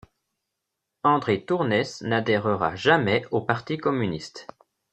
Andrée Tournès n'adhèrera jamais au Parti communiste.